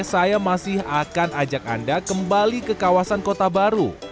saya masih akan ajak anda kembali ke kawasan kota baru